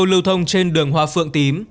lưu thông trên đường hoa phượng tím